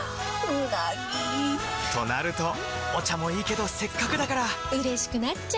うなぎ！となるとお茶もいいけどせっかくだからうれしくなっちゃいますか！